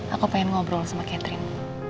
aku pengen ngobrol sama catherine